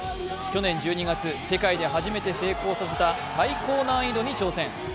去年１２月、世界で初めて成功させた最高難易度に挑戦。